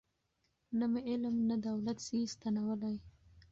نه مي علم نه دولت سي ستنولای